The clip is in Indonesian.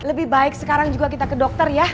lebih baik sekarang juga kita ke dokter ya